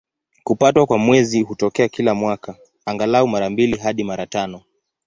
Kupatwa kwa Mwezi hutokea kila mwaka, angalau mara mbili hadi mara tano.